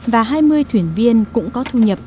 và hai mươi thuyền viên cũng có thu nhập